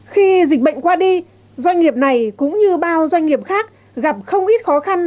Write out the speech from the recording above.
khi dịch bệnh qua đi doanh nghiệp này cũng như bao doanh nghiệp khác gặp không ít khó khăn